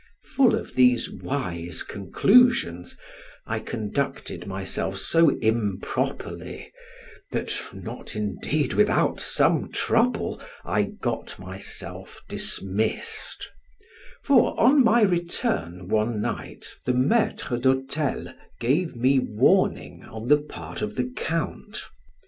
Full of these wise conclusions, I conducted myself so improperly, that (not indeed without some trouble) I got myself dismissed; for on my return one night the maitre de hotel gave me warning on the part of the count.